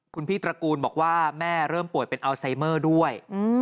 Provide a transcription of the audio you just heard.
คุณพี่ตระกูลบอกว่าแม่เริ่มป่วยเป็นอัลไซเมอร์ด้วย